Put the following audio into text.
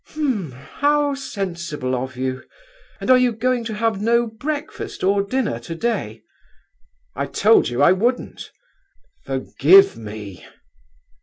'H'm! how sensible of you. And are you going to have no breakfast or dinner today?' 'I told you I wouldn't. Forgive me!